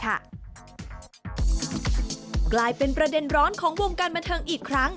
กลายเป็นประเด็นร้อนของวงการบันเทิงอีกครั้ง